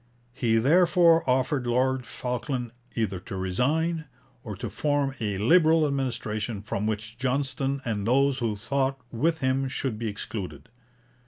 He therefore offered Lord Falkland either to resign, or to form a Liberal administration from which Johnston and those who thought with him should be excluded.